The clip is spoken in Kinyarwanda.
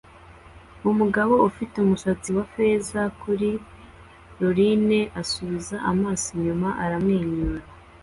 Umugabo ufite umusatsi wa feza kuri ruline asubiza amaso inyuma aramwenyura